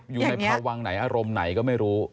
อยู่ในพวังไหนอารมณ์ไหนก็ไม่รู้